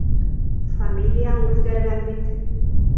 Фамилияң үҙгәргән бит.